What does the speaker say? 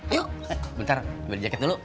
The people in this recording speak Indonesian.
yuk bentar beli jaket dulu